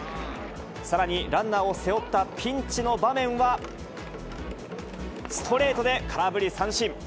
さらにランナーを背負ったピンチの場面は、ストレートで空振り三振。